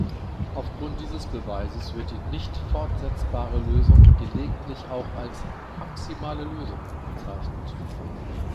Auf Grund dieses Beweises wird die nicht-fortsetzbare Lösung gelegentlich auch als "maximale Lösung" bezeichnet.